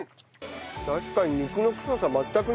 確かに肉のくささ全くない。